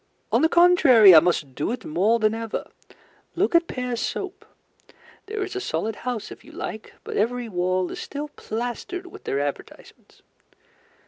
On the contrary, I must do it more than ever. Look at Pears's Soap. There is a solid house if you like, but every wall is still plastered with their advertisements.